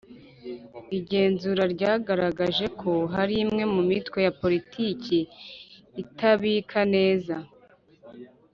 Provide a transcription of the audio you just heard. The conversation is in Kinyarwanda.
igenzura ryagaragaje ko hari imwe mu mitwe ya Politiki itabika neza